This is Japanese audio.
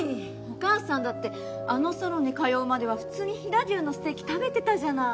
お母さんだってあのサロンに通うまでは普通に飛騨牛のステーキ食べてたじゃない。